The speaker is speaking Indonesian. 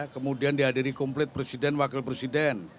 kemudian dihadiri komplit presiden wakil presiden